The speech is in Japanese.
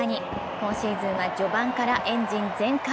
今シーズンは序盤からエンジン全開。